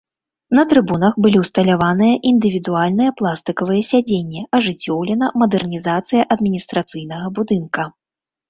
На трыбунах былі ўсталяваныя індывідуальныя пластыкавыя сядзенні, ажыццёўлена мадэрнізацыя адміністрацыйнага будынка.